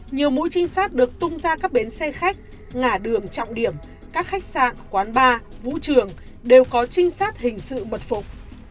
nhiều mũi trinh sát được tung ra các bến xe khách ngã đường trọng điểm các khách sạn quán bar vũ trường đều có trinh sát hình sự mật phục